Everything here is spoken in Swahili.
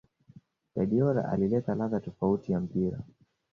Guardiola alileta ladha tofauti ya mpira